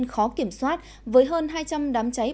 khó kiểm soát với hơn hai trăm linh đám cháy